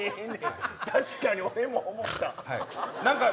確かに俺も思った。